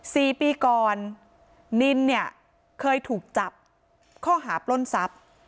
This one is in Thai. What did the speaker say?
สี่ปีก่อนนินเนี่ยเคยถูกจับข้อหาปล้นทรัพย์